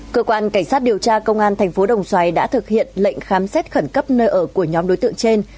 cơ quan cảnh sát điều tra công an thành phố đồng xoài đã thực hiện lệnh khám xét khẩn cấp nơi ở của nhóm đối tượng trên